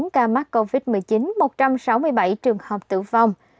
ba mươi bốn ca mắc covid một mươi chín một trăm sáu mươi bảy trường hợp tử vong